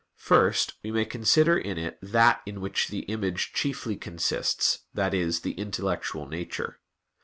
First, we may consider in it that in which the image chiefly consists, that is, the intellectual nature.